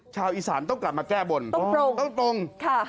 ชาวอีสานต้องกลับมาแก้บนต้องตรงค่ะ